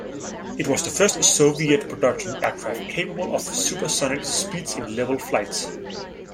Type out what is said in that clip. It was the first Soviet production aircraft capable of supersonic speeds in level flight.